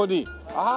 ああ